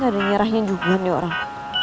gak ada nyerahnya juga nih orang